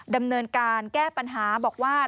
ดำเนินการแก้ปัญหาบอกว่า